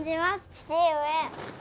父上。